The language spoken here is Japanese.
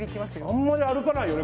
あんまり歩かないよね